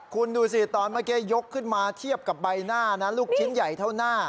คุณดูสิตอนเมื่อกี้ยกขึ้นมาเทียบกับใบหน้านะลูกชิ้นใหญ่เท่าหน้า